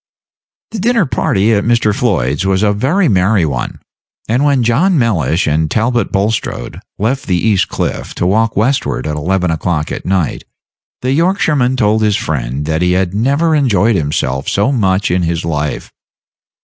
The dinner party at Mr. Floyd's was a very merry one; and when John Mellish and Talbot Bulstrode left the East Cliff to walk westward at eleven o'clock at night, the Yorkshireman told his friend that he had never enjoyed himself so much in his life.